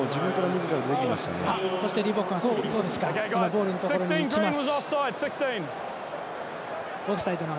リボックがボールのところにいきます。